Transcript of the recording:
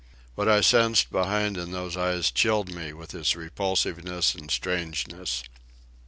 What I sensed behind in those eyes chilled me with its repulsiveness and strangeness.